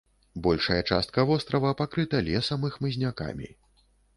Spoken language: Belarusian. Большая частка вострава пакрыта лесам і хмызнякамі.